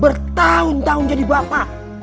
bertahun tahun jadi bapak